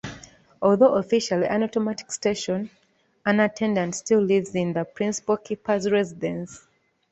Although officially an automatic station, an attendant still lives in the Principal Keeper's residence.